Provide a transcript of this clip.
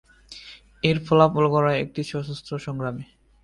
এর ফলাফল গড়ায় একটি সশস্ত্র সংগ্রামে।